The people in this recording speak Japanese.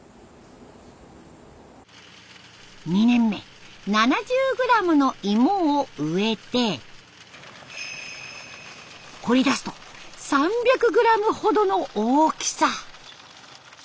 ２年目７０グラムの芋を植えて掘り出すと３００グラムほどの大きさ。